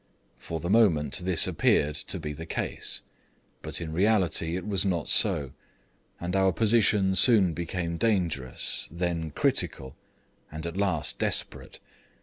For the moment this appeared to be the case. But in reality it was not so, and our position soon became dangerous, then critical, and at last desperate.